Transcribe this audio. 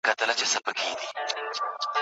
ایا په ساینس کي هم خپلواکي سته؟